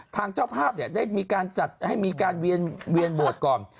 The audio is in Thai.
ทางเจ้าภาพเนี่ยได้มีการจัดให้มีการเวียนโบสถ์ก่อน